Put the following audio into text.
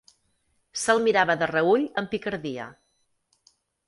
Se'l mirava de reüll amb picardia.